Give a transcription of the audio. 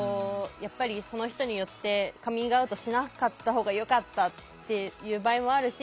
その人によってカミングアウトしなかった方がよかったっていう場合もあるし。